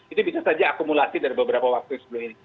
itu bisa saja akumulasi dari beberapa waktu sebelum ini